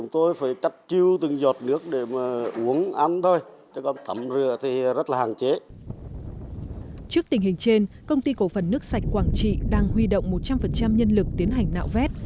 trước tình hình trên công ty cổ phần nước sạch quảng trị đang huy động một trăm linh nhân lực tiến hành nạo vét